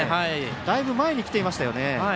だいぶ前に来ていましたよね。